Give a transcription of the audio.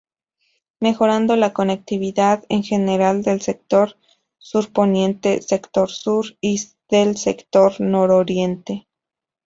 Mejorando la conectividad en general del sector surponiente, sector sur, y del sector nororiente.